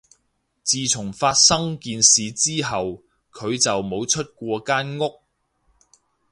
自從發生件事之後，佢就冇出過間屋